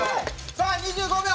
さあ２５秒。